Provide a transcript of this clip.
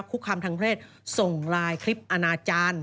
คุกคำทางเพศส่งไลน์คลิปอนาจารย์